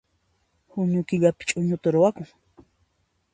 Junio killapi ch'uñu ruwakun